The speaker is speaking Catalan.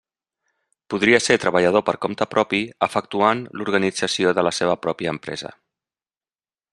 Podria ser treballador per compte propi efectuant l'organització de la seva pròpia empresa.